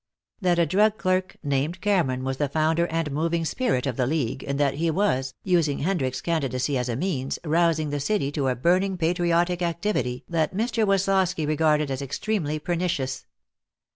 That a drug clerk named Cameron was the founder and moving spirit of the league, and that he was, using Hendricks' candidacy as a means, rousing the city to a burning patriotic activity that Mr. Woslosky regarded as extremely pernicious.